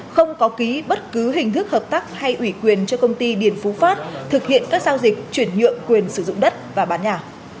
không có ký bất cứ hình thức hợp tác hay ủy quyền cho công ty điền phú phát thực hiện các giao dịch chuyển nhượng quyền sử dụng đất và bán nhà